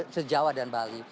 se jawa dan bali